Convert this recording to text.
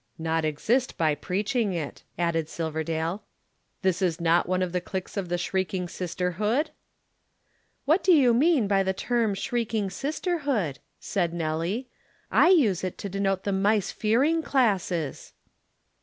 "Not exist by preaching it," added Silverdale. "This is not one of the cliques of the shrieking sisterhood?" "What do you mean by the term shrieking sisterhood," said Nelly. "I use it to denote the mice fearing classes."